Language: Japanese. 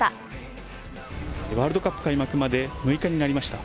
ワールドカップ開幕まで６日になりました。